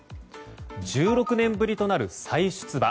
１６年ぶりとなる再出馬。